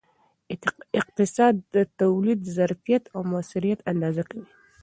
اقتصاد د تولید ظرفیت او موثریت اندازه کوي.